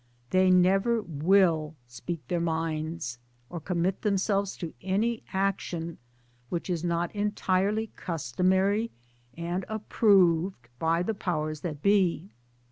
They never will speak their minds, or commit themselves to any action which is not entirely customary and approved by the powers that be.